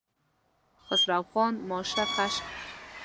خسرو خان ماشه کش کړه.